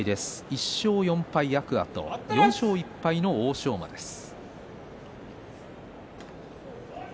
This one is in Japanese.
１勝４敗、天空海と４勝１敗の欧勝馬です。